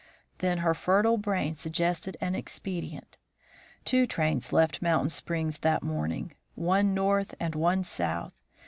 Then her fertile brain suggested an expedient. Two trains left Mountain Springs that morning, one north and one south.